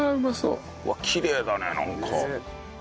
うわっきれいだねなんか。